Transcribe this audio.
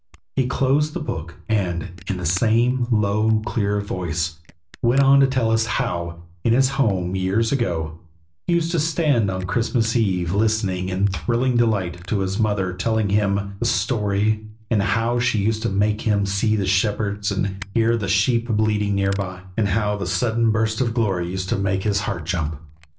He closed the book, and in the same low, clear voice went on to tell us how, in his home years ago, he used to stand on Christmas eve listening in thrilling delight to his mother telling him the story, and how she used to make him see the shepherds and hear the sheep bleating near by, and how the sudden burst of glory used to make his heart jump.